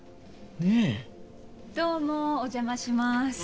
ねえどうもお邪魔します